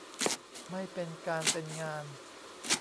ไม่เป็นการเป็นงาน